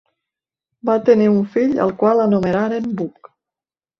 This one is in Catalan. Van tenir un fill al qual anomenaren Buck.